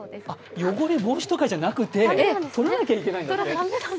汚れ防止とかじゃなくて、とらなきゃいけないんだ。